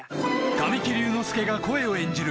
神木隆之介が声を演じる